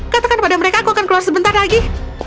katakan pada mereka aku akan keluar sebentar lagi